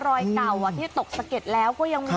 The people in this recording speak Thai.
รอยเก่าที่ตกสะเก็ดแล้วก็ยังมี